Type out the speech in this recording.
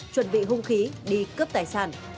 chuẩn bị hung khí đi cướp tài sản